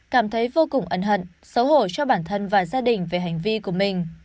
cảm thấy vô cùng ấn hận xấu hổ cho bản thân và gia đình về hành vi của mình